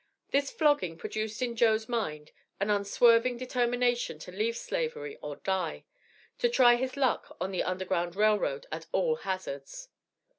This flogging, produced in Joe's mind, an unswerving determination to leave Slavery or die: to try his luck on the Underground Rail Road at all hazards.